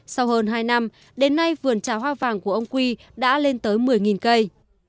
sau hơn hai năm đến nay vườn trà hoa vàng của ông quy đã lên tới một mươi cây